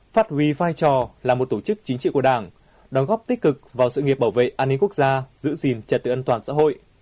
phát huy vai trò là một tổ chức chính trị của đảng đóng góp tích cực vào sự nghiệp bảo vệ an ninh quốc gia giữ gìn trật tự an toàn xã hội